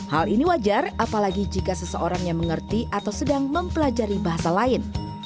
hal ini wajar apalagi jika seseorang yang mengerti atau sedang mempelajari bahasa lain